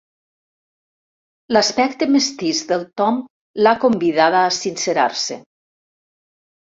L'aspecte mestís del Tom l'ha convidada a sincerar-se.